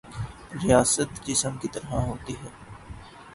ریاست جسم کی طرح ہوتی ہے۔